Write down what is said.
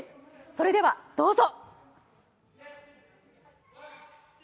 それでは、どうぞ。